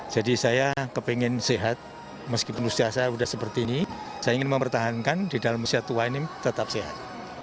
jadi saya ingin sehat meskipun usia saya sudah seperti ini saya ingin mempertahankan di dalam usia tua ini tetap sehat